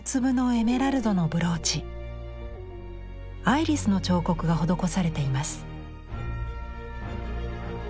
アイリスの彫刻が施されています。